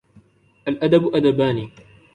الْأَدَبُ أَدَبَانِ